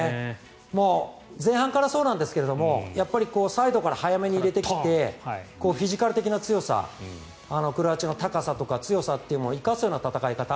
前半からそうなんですがサイドから早めに入れてきてフィジカル的な強さクロアチアの高さとか強さというのを生かすような戦い方。